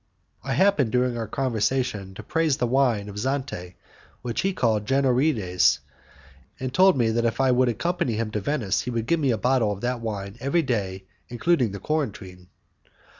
I happened during our conversation to praise the wine of Xante, which he called generoydes, and he told me that if I would accompany him to Venice he would give me a bottle of that wine every day including the quarantine.